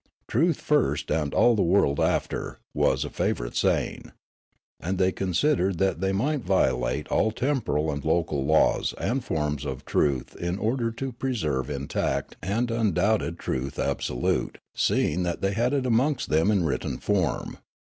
"Truth first and all the world after " was a favourite saying. And they con sidered that the}' might violate all the temporal and local laws and forms of truth in order to preserve intact 38 Riallaro and undoubted truth absolute, seeing that they had it amongst them in written form.